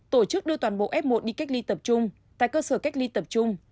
tổ chức đưa toàn bộ f một đi cách ly tập trung tại cơ sở cách ly tập trung